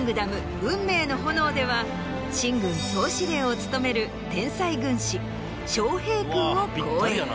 では秦軍総司令を務める天才軍師昌平君を好演。